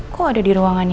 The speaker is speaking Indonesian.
kok ada di ruangannya